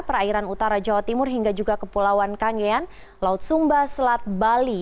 perairan utara jawa timur hingga juga kepulauan kangean laut sumba selat bali